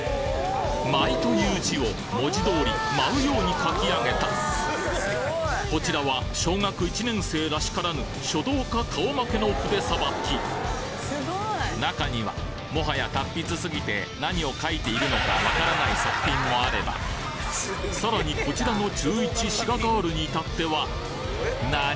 「舞」という字を文字通り舞うように書き上げたこちらは小学１年生らしからぬ書道家顔負けの筆さばき中には最早達筆すぎて何を書いているのか分からない作品もあればさらにこちらの中１滋賀ガールにいたっては何？